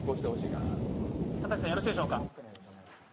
田崎さん、よろしいでしょうか？